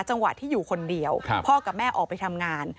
จังหวะที่อยู่คนเดียวพ่อกับแม่ออกไปทำงาน